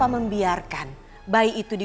seorang anak few